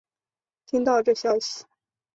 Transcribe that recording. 听到这消息